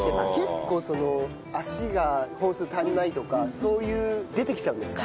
結構脚が本数足りないとかそういう出てきちゃうんですか？